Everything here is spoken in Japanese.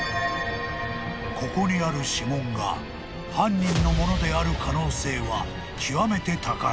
［ここにある指紋が犯人のものである可能性は極めて高い］